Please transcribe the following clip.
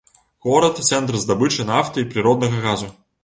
Горад цэнтр здабычы нафты і прыроднага газу.